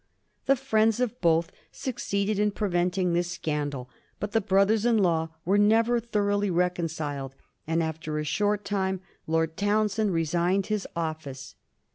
The friends of both succeeded in preventing this scandal, but the brothers in law were never thoroughly reconciled, and after a short time Lord Townshend resigned his office.